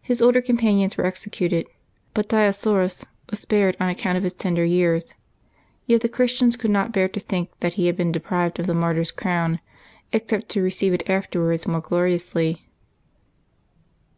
His older companions were executed, but Dioscorus was spared on account of his tender years; yet the Chris tians could not bear to think that he had been deprived of the martyrs crown, except to receive it afterwards more gloriously.